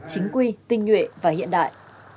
chính quy tinh nguyện và hiện đại